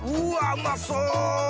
うまそう！